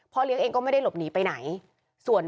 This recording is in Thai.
เลี้ยงเองก็ไม่ได้หลบหนีไปไหน